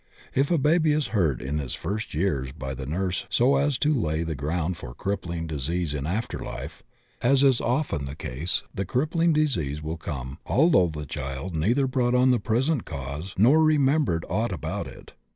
If a baby is hurt in its fii^t years by the nurse so as to lay the ground for a crippling disease in after life, as is often the case, the crippling disease will come although the child neither brou^t on the present cause nor remem bered aught about it.